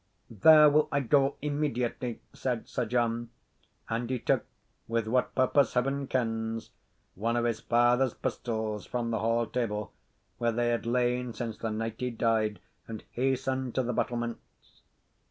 "There will I go immediately," said Sir John; and he took with what purpose Heaven kens one of his father's pistols from the hall table, where they had lain since the night he died, and hastened to the battlements.